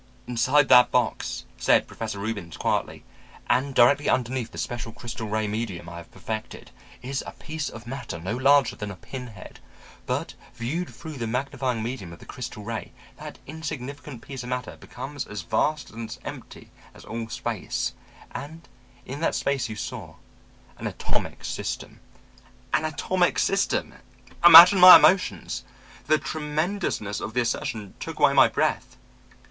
"'Inside that box,' said Professor Reubens quietly, 'and directly underneath the special crystal ray medium I have perfected, is a piece of matter no larger than a pin head. But viewed through the magnifying medium of the crystal ray that insignificant piece of matter becomes as vast and as empty as all space, and in that space you saw an atomic system.' "An atomic system! Imagine my emotions. The tremendousness of the assertion took away my breath.